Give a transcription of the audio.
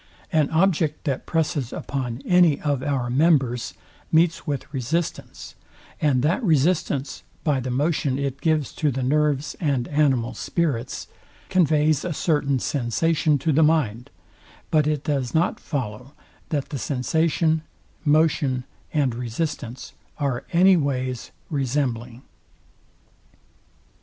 An object, that presses upon any of our members, meets with resistance; and that resistance, by the motion it gives to the nerves and animal spirits, conveys a certain sensation to the mind; but it does not follow, that the sensation, motion, and resistance are any ways resembling.